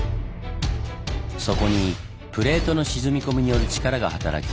そこにプレートの沈み込みによる力が働き